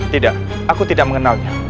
tidak aku tidak mengenalnya